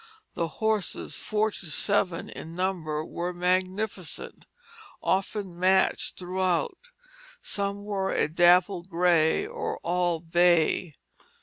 The horses, four to seven in number, were magnificent, often matched throughout; some were all dapple gray, or all bay.